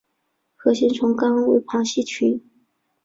核形虫纲为旁系群。